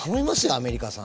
アメリカさん